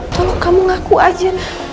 tolong kamu ngaku aja